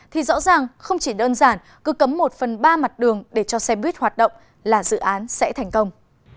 thì rõ ràng không chỉ đơn giản cứ cấm một phần ba mặt đường để cho xe buýt hoạt động là dự án sẽ thành công